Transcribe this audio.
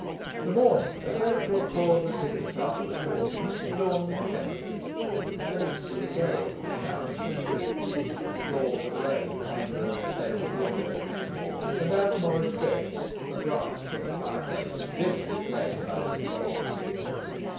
The morning, as though to accord with his disastrous fortunes, dawned inclemently. An easterly gale was shouting in the streets; flaws of rain angrily assailed the windows; and as Morris dressed, the draught from the fireplace vividly played about his legs.